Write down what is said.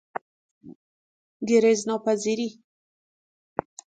گریزناپذیری